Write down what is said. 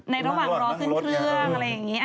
ระหว่างรอขึ้นเครื่องอะไรอย่างนี้